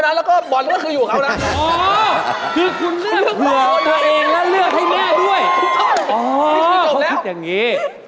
ต้องคิดอย่างงี้